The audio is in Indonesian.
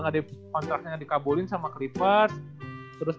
gak ada kontraknya yang dikabulin sama clippers